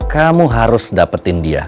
kamu harus dapetin dia